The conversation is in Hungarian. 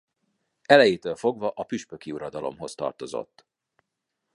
Elejétől fogva a püspöki uradalomhoz tartozott.